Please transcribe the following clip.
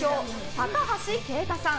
高橋圭太さん。